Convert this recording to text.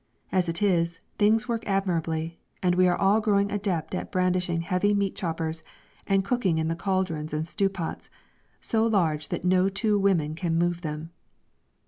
As it is, things work admirably, and we are all growing adepts at brandishing heavy meat choppers and cooking in the cauldrons and stewpots, so large that no two women can move them.